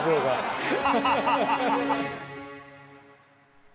ハハハハ！